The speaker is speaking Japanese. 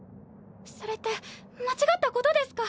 それって間違ったことですか？